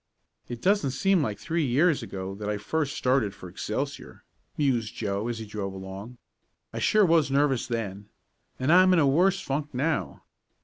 "It doesn't seem like three years ago that I first started for Excelsior," mused Joe, as he drove along. "I sure was nervous then, and I'm in a worse funk now.